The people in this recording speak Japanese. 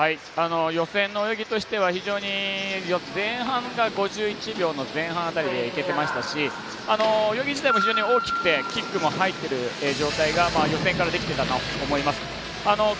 予選の泳ぎとしては前半が５１秒の前半辺りでいけてましたし泳ぎ自体も非常に大きくてキックも入っている状態が予選からできていたと思います。